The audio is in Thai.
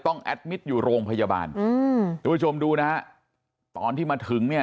ต้องอยู่โรงพยาบาลอืมผู้ชมดูนะฮะตอนที่มาถึงเนี่ย